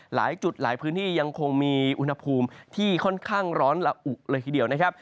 หลายจุดหลายพื้นที่ยังคงมีอุณหภูมิที่ค่อนข้างร้อนละอุเลยทีเดียวนะครับ